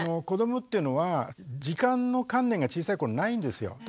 子どもっていうのは時間の観念が小さい頃ないんですよ。